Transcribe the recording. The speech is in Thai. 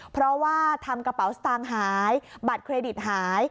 เพราะว่าทำกระเป๋าสตางค์หายบัตรเครดิตหาย